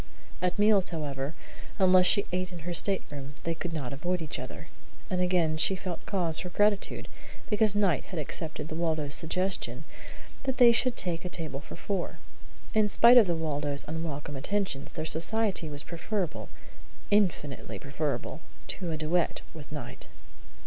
At meals, however, unless she ate in her stateroom, they could not avoid each other; and again she felt cause for gratitude because Knight had accepted the Waldos' suggestion that they should take a table for four. In spite of the Waldos' unwelcome attentions, their society was preferable infinitely preferable to a duet with Knight.